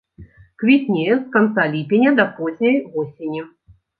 Квітнее з канца ліпеня да позняй восені.